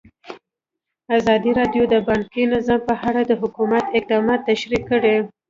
ازادي راډیو د بانکي نظام په اړه د حکومت اقدامات تشریح کړي.